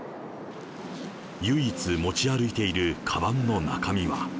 唯一持ち歩いているかばんの中身は。